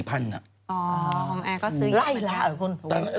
อ๋อแอร์ก็ซื้อไล่ละ